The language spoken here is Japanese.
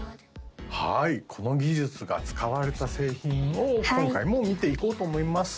はいこの技術が使われた製品を今回も見ていこうと思います